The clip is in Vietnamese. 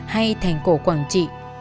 hay thành cổ quảng trị